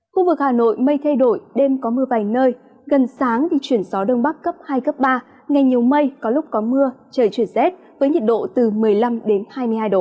khu vực hà nội mây thay đổi đêm có mưa vài nơi gần sáng thì chuyển gió đông bắc cấp hai cấp ba ngày nhiều mây có lúc có mưa trời chuyển rét với nhiệt độ từ một mươi năm hai mươi hai độ